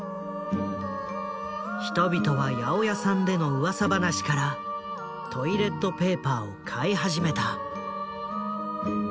人々は八百屋さんでのうわさ話からトイレットペーパーを買い始めた。